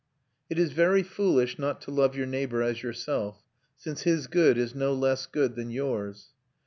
It is very foolish not to love your neighbour as yourself, since his good is no less good than yours.